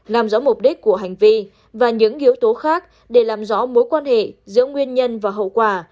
làm rõ mục đích của hành vi và những yếu tố khác để làm rõ mối quan hệ giữa nguyên nhân và hậu quả